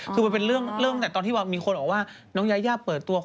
คือมันเป็นเรื่องเริ่มแต่ตอนที่มีคนบอกว่าน้องยายาเปิดตัว